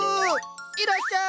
いらっしゃい！